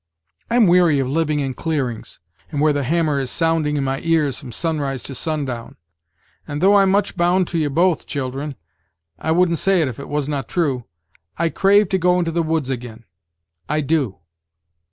I'm weary of living in clearings, and where the hammer is sounding in my ears from sunrise to sundown. And though I'm much bound to ye both, children I wouldn't say it if It was not true I crave to go into the woods agin I do."